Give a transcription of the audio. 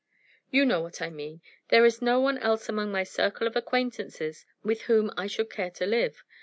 "You know what I mean. There is no one else among my circle of acquaintances with whom I should care to live.